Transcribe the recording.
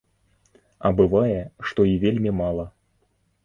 А бывае, што і вельмі мала.